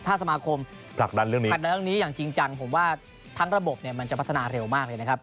ถ้าสมาคมผลักดันเรื่องนี้อย่างจริงจังผมว่าทั้งระบบมันจะพัฒนาเร็วมากเลยนะครับ